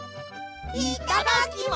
いただきます！